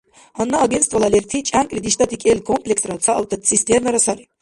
Гьанна Агентствола лерти чӀянкӀли диштӀати кӀел комплексра, ца автоцистернара сари.